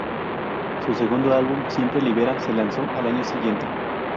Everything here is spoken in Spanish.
Su segundo álbum, "Sempre Libera", se lanzó al año siguiente.